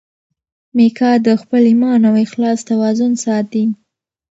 میکا د خپل ایمان او اخلاص توازن ساتي.